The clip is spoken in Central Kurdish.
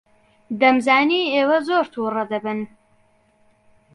دەمزانی ئێوە زۆر تووڕە دەبن.